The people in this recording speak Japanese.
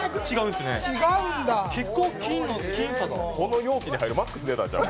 結構僅差だこの容器に入るマックス出たんちゃう？